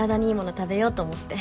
食べようと思って。